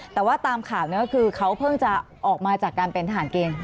แต่ว่าตามข่าวนี้ก็คือเขาเพิ่งจะออกมาจากการเป็นทหารเกณฑ์